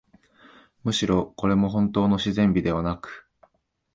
むしろ、これもほんとうの自然美ではなく、